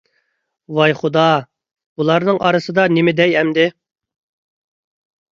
ۋاي خۇدا، بۇلارنىڭ ئارىسىدا نېمە دەي ئەمدى؟ !